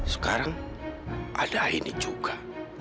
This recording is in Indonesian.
sekarang ada ini juga